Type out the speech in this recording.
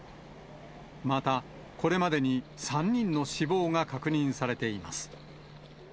またこれまでに３人の死亡が確認されています。